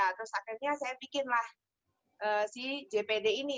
terus akhirnya saya bikinlah si jpd ini